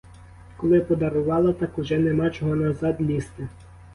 Коли подарувала, так уже нема чого назад лізти.